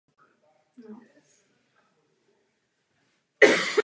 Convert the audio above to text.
Existuje riziko.